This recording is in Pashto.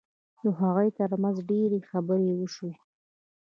د هغوی ترمنځ ډېرې خبرې وشوې